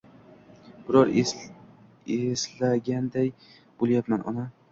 — Biroz eslaganday bo'lyapman, ona.